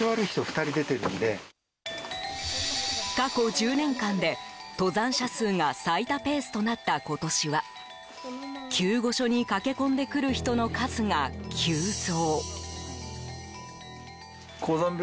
過去１０年間で、登山者数が最多ペースとなった今年は救護所に駆け込んでくる人の数が急増。